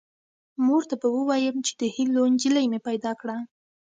مور ته به ووایم چې د هیلو نجلۍ مې پیدا کړه